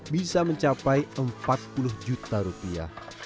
bisa mencapai empat puluh juta rupiah